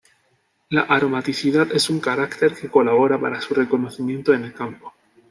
La aromaticidad es un carácter que colabora para su reconocimiento en el campo.